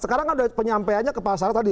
sekarang kan penyampaiannya ke masyarakat tadi